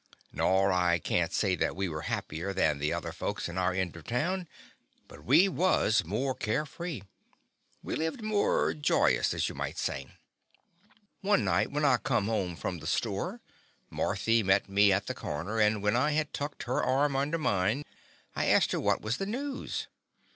Nor I can't say that we were happier than the other folks in our end of town, but we was more care free. We lived more joy ous, as you might say. One night when I come home from The Confessions of a Daddy the store Marthy met me at the cor ner, and when I had tucked her arm under mine, I asked her what was the news.